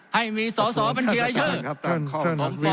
ให้มีสอสอบัญชีรายชื่อ